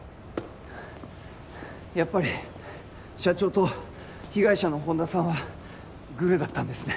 やっぱり社長と被害者の本田さんはグルだったんですね